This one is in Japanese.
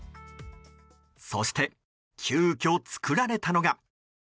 そして急きょ、作られたのが。